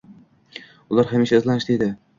Ular hamisha izlanishda edi